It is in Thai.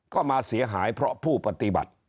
ก็มาเสียหายเพราะผู้ปฏิบัติ